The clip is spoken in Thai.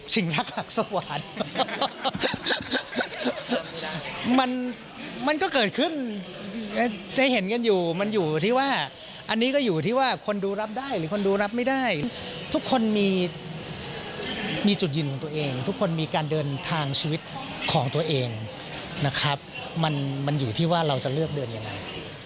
รักหลักสวรรค์มันก็เกิดขึ้นจะเห็นกันอยู่มันอยู่ที่ว่าอันนี้ก็อยู่ที่ว่าคนดูรับได้หรือคนดูรับไม่ได้ทุกคนมีจุดยืนของตัวเองทุกคนมีการเดินทางชีวิตของตัวเองนะครับมันอยู่ที่ว่าเราจะเลือกเดินยังไง